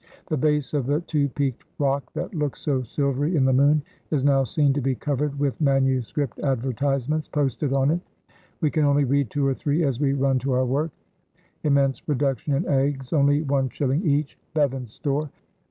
The base of the two peaked rock that looked so silvery in the moon is now seen to be covered with manuscript advertisements posted on it; we can only read two or three as we run to our work: "Immense reduction in eggs only one shilling each!!! Bevan's store."